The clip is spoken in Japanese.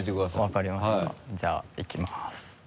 分かりましたじゃあいきます。